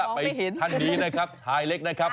เอาล่ะไปทันดีนะครับชายเล็กนะครับ